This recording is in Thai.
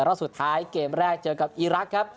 รอบสุดท้ายเกมแรกเจอกับอีรักษ์ครับ